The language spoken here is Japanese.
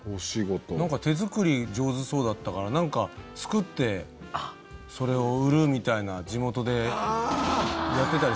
なんか手作り上手そうだったからなんか作ってそれを売るみたいな地元でやってたりするんですかね？